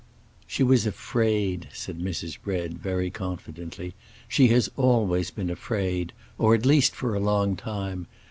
"She was afraid," said Mrs. Bread, very confidently; "she has always been afraid, or at least for a long time.